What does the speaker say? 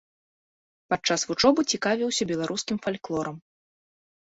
Падчас вучобы цікавіўся беларускім фальклорам.